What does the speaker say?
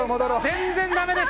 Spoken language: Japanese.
全然だめだ！